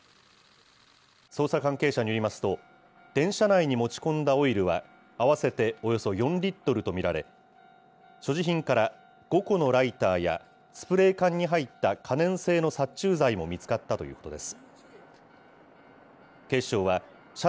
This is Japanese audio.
捜査関係者によりますと、電車内に持ち込んだオイルは合わせておよそ４リットルと見られ、所持品から、５個のライターやスプレー缶に入った可燃性の殺虫剤も見つかったということです。